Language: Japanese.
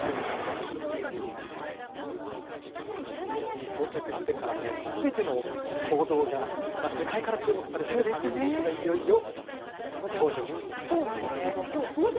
現地に到着してからね、すべての行動が世界から注目されている羽生選手がいよいよ登場と。